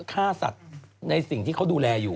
ฆ่าสัตว์ในสิ่งที่เขาดูแลอยู่